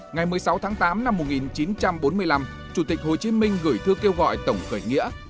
ngày một mươi sáu tháng tám năm một nghìn chín trăm bốn mươi năm chủ tịch hồ chí minh gửi thư kêu gọi tổng khởi nghĩa